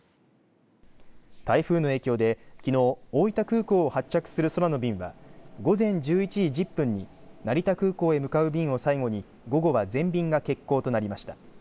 台風の影響できのう大分空港を発着する空の便は午前１１時１０分に成田空港へ向かう便を最後に午後は全便が欠航となりました。